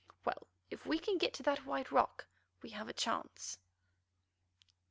Well, if we can get to that White Rock we have a chance of life."